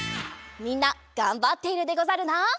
みんながんばっているでござるな。